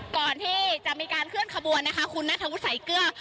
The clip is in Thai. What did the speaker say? ก่อนที่จะมีการเคลื่อนขบวนนะคะคุณนัทธวุฒิสายเกลือ